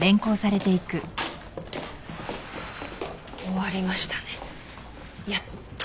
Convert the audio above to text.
終わりましたねやっと。